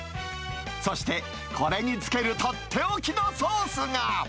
そして、これにつける取って置きのソースが。